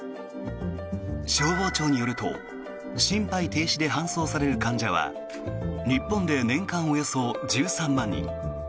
消防庁によると心肺停止で搬送される患者は日本で年間およそ１３万人。